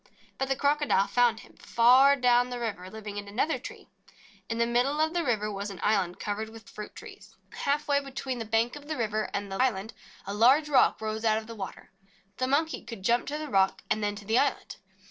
But the Crocodile found him, far down the river, living in another tree. In the middle of the river was an island covered with fruit trees. 6 THE MONKEY AND THE CROCODILE Half way between the bank of the river and the island, a large rock rose out of the water. The Mon key could jump to the rock, and then to the island.